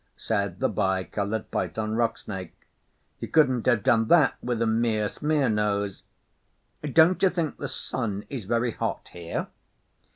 said the Bi Coloured Python Rock Snake. 'You couldn't have done that with a mear smear nose. Don't you think the sun is very hot here?